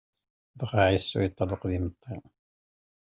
Dɣa Ɛisu yeṭṭerḍeq d imeṭṭi.